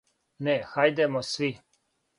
Не, хајдемо сви!